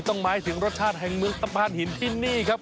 หมายถึงรสชาติแห่งเมืองตะพานหินที่นี่ครับ